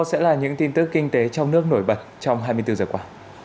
sẽ là những tin tức kinh tế trong nước nổi bật trong hai mươi bốn giờ qua